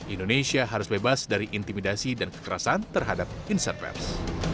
indonesia harus bebas dari intimidasi dan kekerasan terhadap insan pers